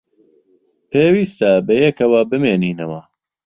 پێویستە بەیەکەوە بمێنینەوە.